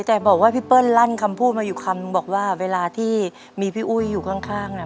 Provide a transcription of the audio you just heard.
แต่บอกว่าพี่เปิ้ลลั่นคำพูดมาอยู่คำนึงบอกว่าเวลาที่มีพี่อุ้ยอยู่ข้างน่ะ